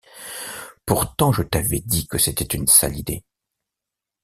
Pourtant je t'avais dit que c'est une sale idée.